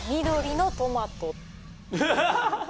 緑のトマト？